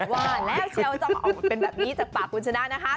ว่าแล้วเชียวจะออกมาเป็นแบบนี้จากปากคุณชนะนะคะ